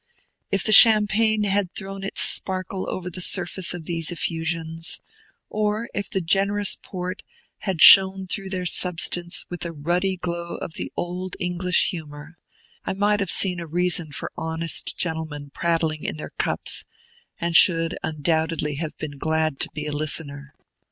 If the Champagne had thrown its sparkle over the surface of these effusions, or if the generous Port had shone through their substance with a ruddy glow of the old English humor, I might have seen a reason for honest gentlemen prattling in their cups, and should undoubtedly have been glad to be a listener.